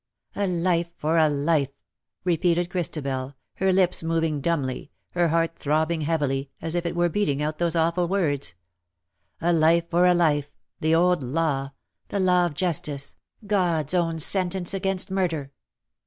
^' A life for a life/' repeated Christabel, her lips moving dumbly, her heart throbbing heavily, as if it were beating out those awful words. ^' A life for a life — the old law — the law of justice — God's own sentence against murder.